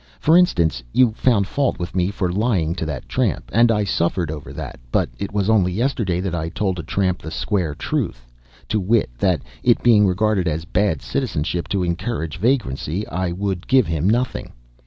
For instance, you found fault with me for lying to that tramp, and I suffered over that. But it was only yesterday that I told a tramp the square truth, to wit, that, it being regarded as bad citizenship to encourage vagrancy, I would give him nothing.